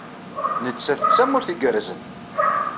Nettat d tamarut igerrzen.